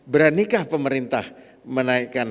beranikah pemerintah menaikkan